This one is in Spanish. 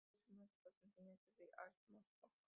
Este libro resume hasta las enseñanzas de Armstrong.